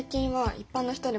一般の人が？